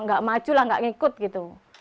enggak maju lah enggak ngikut